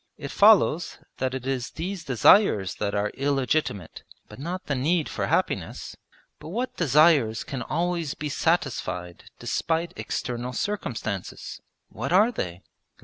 It follows that it is these desires that are illegitimate, but not the need for happiness. But what desires can always be satisfied despite external circumstances? What are they?